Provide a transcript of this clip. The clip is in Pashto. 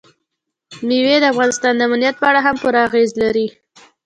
مېوې د افغانستان د امنیت په اړه هم پوره اغېز لري.